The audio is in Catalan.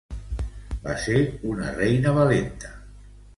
Va ser una reina valenta.